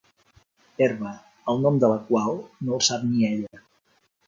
Herba, el nom de la qual no el sap ni ella.